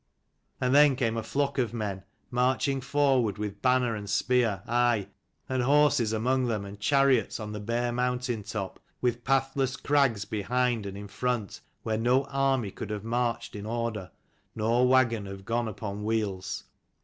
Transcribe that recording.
And then came a flock of men marching forward with banner and spear, aye, and horses among them, and chariots, on the bare moun tain top, with pathless crags behind and in front, where no army could have marched in order, nor waggon have gone upon wheels.